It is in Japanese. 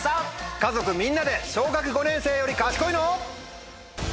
家族みんなで小学５年生より賢いの？